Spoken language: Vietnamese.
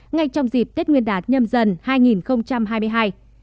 ngay trong dịp tết nguyên đán nhâm dần hai nghìn hai mươi hai